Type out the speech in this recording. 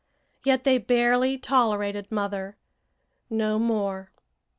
Yet they barely tolerated mother no more.